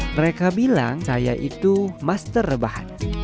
mereka bilang saya itu master rebahan